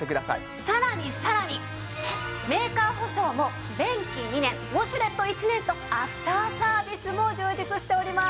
さらにさらにメーカー保証も便器２年ウォシュレット１年とアフターサービスも充実しております。